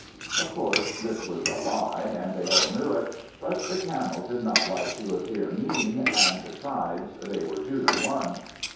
Of course this was a lie, and they all knew it; but the Camel did not like to appear mean, and besides, they were two to one.